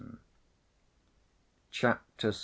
Chapter VI.